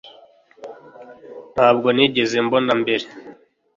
Ntabwo nigeze mbona mbere